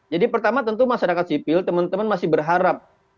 jadi pertama tentu masyarakat sipil teman teman masih berharap